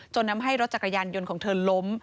ทำให้รถจักรยานยนต์ของเธอล้ม